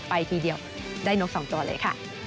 ทีเดียวได้นก๒ตัวเลยค่ะ